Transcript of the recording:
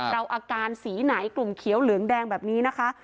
อาการสีไหนกลุ่มเขียวเหลืองแดงแบบนี้นะคะ